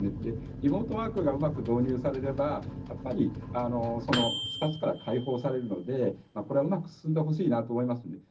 リモートワークがうまく導入されればやっぱりその２つから解放されるのでこれはうまく進んでほしいなと思いますね。